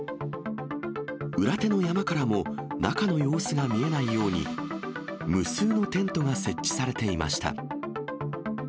裏手の山からも中の様子が見えないように、無数のテントが設置されていました。